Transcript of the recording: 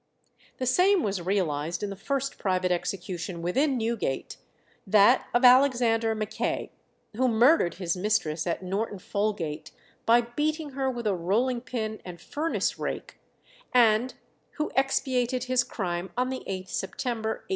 The same was realized in the first private execution within Newgate, that of Alexander Mackay, who murdered his mistress at Norton Folgate by beating her with a rolling pin and furnace rake, and who expiated his crime on the 8th September, 1868.